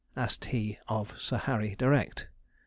asked he of Sir Harry direct.